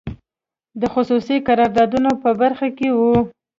د خصوصي قراردادونو په برخو کې وو.